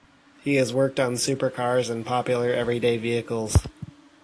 He has worked on supercars and popular everyday vehicles.